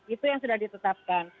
itu yang sudah ditetapkan